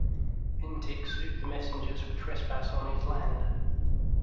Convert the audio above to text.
Entick sued the messengers for trespassing on his land.